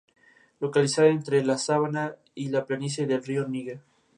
Localizada entre la sabana y la planicie del río Níger.